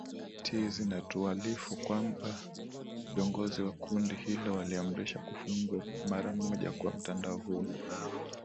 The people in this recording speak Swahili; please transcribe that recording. ti zinatualifu kwamba viongozi wa kundi hilo waliamrisha kufungwa mara moja kwa mtandao huo